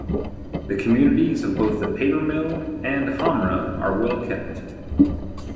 The communities of both the papermill and Hamra are well kept.